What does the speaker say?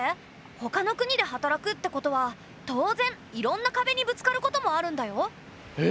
ほかの国で働くってことは当然いろんな壁にぶつかることもあるんだよ。え！？